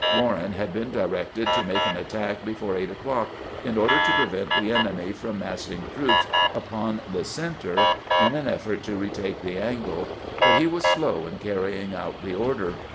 Warren had been di rected to make an attack before eight o'clock, in order to prevent the enemy from massing troops upon the center in an effort to retake the " angle," but he was slow in carrying out the order.